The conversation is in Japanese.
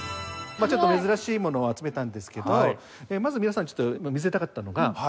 ちょっと珍しいものを集めたんですけどまず皆さんに見せたかったのが。